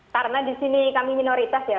karena disini kami minoritas ya